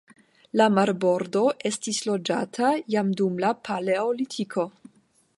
La marbordo estis loĝata jam dum la paleolitiko.